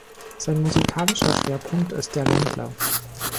Sein musikalischer Schwerpunkt ist der Ländler.